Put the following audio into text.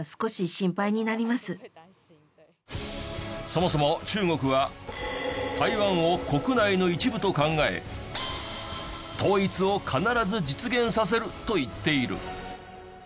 そもそも中国は台湾を国内の一部と考え統一を必ず実現させると言っている。